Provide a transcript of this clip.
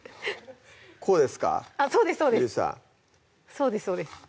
そうですそうです